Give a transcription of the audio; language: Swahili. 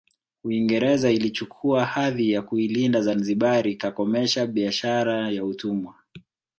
Uingereza ilichukua hadhi ya kuilinda Zanzibari kakomesha biashara ya utumwa